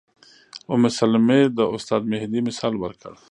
ام سلمې د استاد مهدي مثال ورکړ.